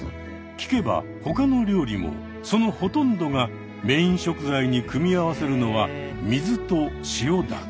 聞けば他の料理もそのほとんどがメイン食材に組み合わせるのは水と塩だけ。